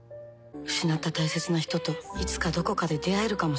失った大切な人といつかどこかで出会えるかもしれない。